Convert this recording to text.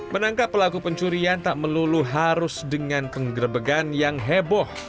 menangkap pelaku pencurian tak melulu harus dengan penggerbegan yang heboh